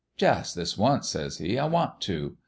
"' Jus' this once,' says he. ' I want to.'